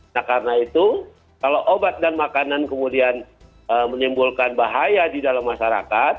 nah karena itu kalau obat dan makanan kemudian menimbulkan bahaya di dalam masyarakat